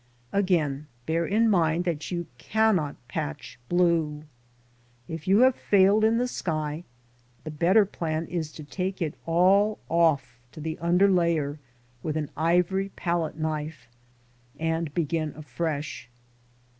Again bear in mind that you cannot patch blue. If you have failed in the sky, the better plan is to take it all off to the under layer with an ivory palette knife and begin afresh.